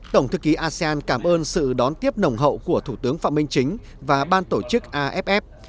tổng thư ký asean cảm ơn sự đón tiếp nồng hậu của thủ tướng phạm minh chính và ban tổ chức aff